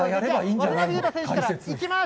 渡辺裕太選手から、いきます。